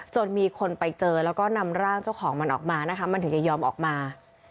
จนมีคนไปเจอแล้วก็นำร่างเจ้าของมันออกมานะคะมันถึงจะยอมออกมา